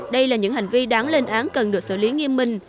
đây là những hành vi đáng lên án cần được xử lý nghiêm minh